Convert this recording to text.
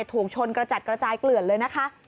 ถูกชนกระจัดกระจายเกลื่อนเลยนะคะ